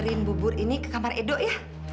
kamu akan tarik bubur ini ke kamar edo ya